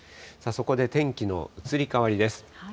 そこで天気の移り変わりです。